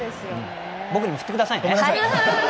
僕にも振ってくださいね。